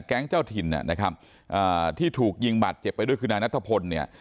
เจ้าถิ่นนะครับอ่าที่ถูกยิงบาดเจ็บไปด้วยคือนายนัทพลเนี่ย